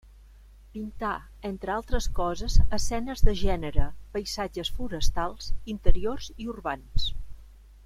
Pintà entre altres coses, escenes de gènere, paisatges forestals, interiors i urbans.